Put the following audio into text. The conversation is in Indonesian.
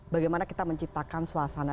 bagaimana kita menciptakan suasana